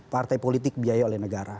partai politik biaya oleh negara